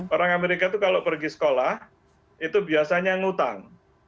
orang amerika itu kalau pergi sekolah itu biasanya ngutang